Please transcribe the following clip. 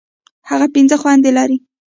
هغه پنځه خويندي لري.